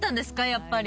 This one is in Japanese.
やっぱり。